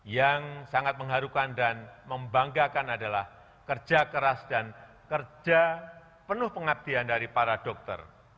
yang sangat mengharukan dan membanggakan adalah kerja keras dan kerja penuh pengabdian dari para dokter